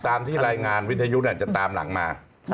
ตามที่รายงานวิทยุจะตามหลังมา